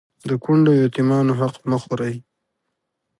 د کونډو او يتيمانو حق مه خورئ